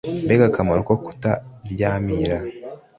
mbega akamaro ko kuta ryamira